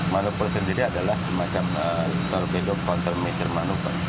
manuver sendiri adalah semacam torpedo countermeasure manuver